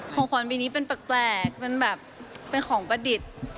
ของขวัญปีนี้เป็นแปลกเป็นแบบเป็นของประดิษฐ์